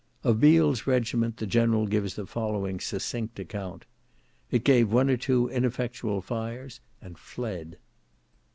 Of Beall's regiment, the general gives the following succinct account—"It gave one or two ineffectual fires and fled."